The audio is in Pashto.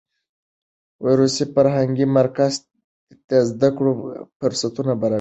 روسي فرهنګي مرکز د زده کړو فرصتونه برابرول.